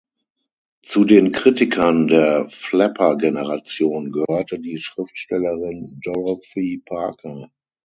Zu den Kritikern der Flapper-Generation gehörte die Schriftstellerin Dorothy Parker.